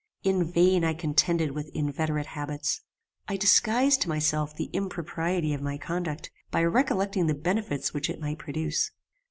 In vain I contended with inveterate habits. I disguised to myself the impropriety of my conduct, by recollecting the benefits which it might produce.